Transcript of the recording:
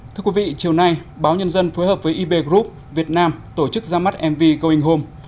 thưa quý vị chiều nay báo nhân dân phối hợp với ib group việt nam tổ chức ra mắt mv going home